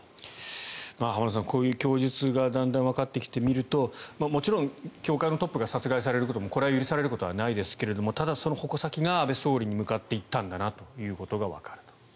浜田さん、こういう供述がだんだんわかってきて、見るともちろん教会のトップが殺害されることもこれは許されることではないですがただ、その矛先が安倍総理に向かっていったんだなということがわかると。